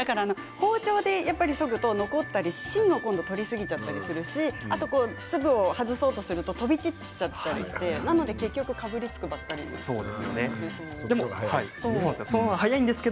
包丁で、そぐと残ったり芯を取りすぎちゃったりするし粒を外そうとすると飛び散っちゃったりして結局かぶりつくぐらいなんですよね。